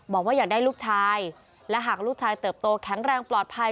บอกว่าอยากได้ลูกชายและหากลูกชายเติบโตแข็งแรงปลอดภัย